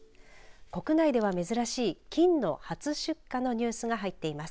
国内では珍しい金の初出荷のニュースが入っています。